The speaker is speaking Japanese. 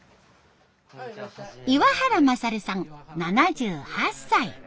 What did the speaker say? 岩原勝さん７８歳。